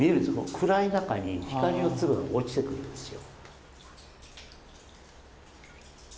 暗い中に光の粒が落ちてくるんですよ。